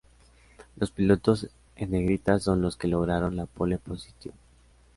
Los pilotos en negrita son los que lograron la pole position.